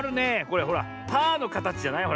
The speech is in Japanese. これほらパーのかたちじゃない？